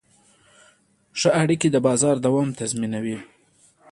ښه اړیکې د بازار دوام تضمینوي.